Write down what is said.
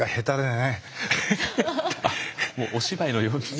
もうお芝居のように。